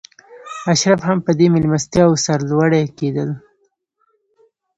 اشراف هم په دې مېلمستیاوو سرلوړي کېدل.